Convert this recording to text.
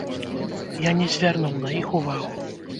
Я не звярнуў на іх увагу.